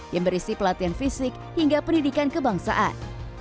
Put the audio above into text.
yang berisi pelatihan fisik hingga pendidikan kebangsaan